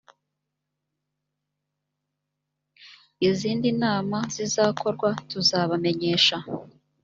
izindi nama zizakorwa tuzazibamenyesha